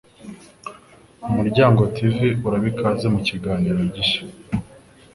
UmuryangoTV uraba ikaze mukiganiro gishya